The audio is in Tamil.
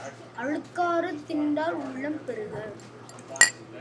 அழுக்காறு திண்டா உள்ளம் பெறுக!